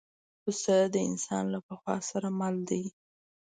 پسه د انسان له پخوا سره مل دی.